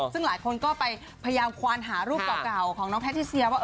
ซึ่งหลายคนก็ไปพยายามควานหารูปเก่าของน้องแพทิเซียว่า